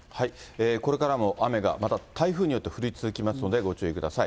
これからも雨が、また台風によって降り続きますので、ご注意ください。